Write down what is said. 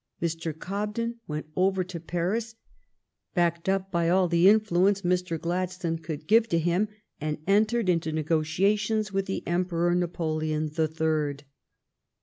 Mr. Cobden went over to Paris backed up by all the influ ence Mr. Gladstone could give to him, and entered into negotiations with the Emperor Napoleon the Third.